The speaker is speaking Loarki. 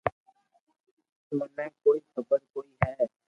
منو ڪوئي خبر ڪوئي ھي